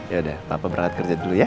ya udah papa berangkat kerja dulu ya